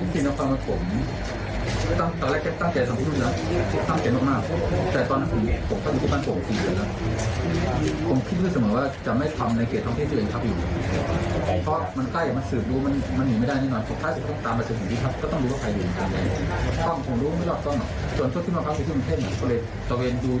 จริงจริงนะครับผมตอนแรกตั้งแต่สามปีก่อนแล้ว